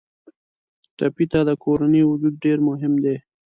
ټپي ته د کورنۍ وجود ډېر مهم دی.